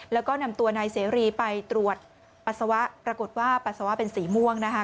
แล้วก็นำตัวนายเสรีไปตรวจปัสสาวะปรากฏว่าปัสสาวะเป็นสีม่วงนะคะ